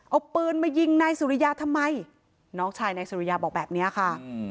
เอาปืนมายิงนายสุริยาทำไมน้องชายนายสุริยาบอกแบบนี้ค่ะ